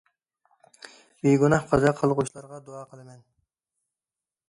بىگۇناھ قازا قىلغۇچىلارغا دۇئا قىلىمەن.